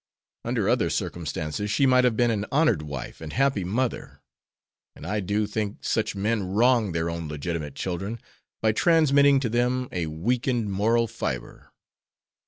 Under other circumstances she might have been an honored wife and happy mother. And I do think such men wrong their own legitimate children by transmitting to them a weakened moral fibre."